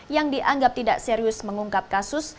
yang dianggap tidak serius mengungkap kasus